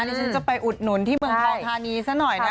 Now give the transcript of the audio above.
นี่ฉันจะไปอุดหนุนที่เมืองทองธานีซะหน่อยนะ